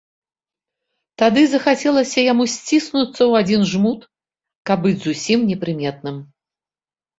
Тады захацелася яму сціснуцца ў адзін жмут, каб быць зусім непрыметным.